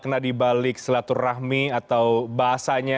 karena dibalik selatur rahmi atau bahasanya